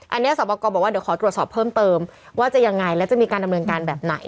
อันนี้สอบประกอบบอกว่าเดี๋ยวขอตรวจสอบเพิ่มเติมว่าจะยังไงและจะมีการดำเนินการแบบไหน